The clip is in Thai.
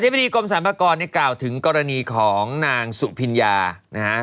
บดีกรมสรรพากรเนี่ยกล่าวถึงกรณีของนางสุพิญญานะฮะ